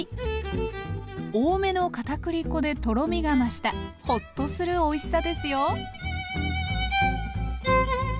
多めの片栗粉でとろみが増したホッとするおいしさですよ。